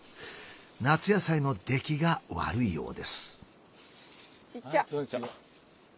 夏野菜の出来が悪いようです。